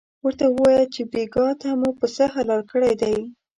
ورته ووایه چې بېګاه ته مو پسه حلال کړی دی.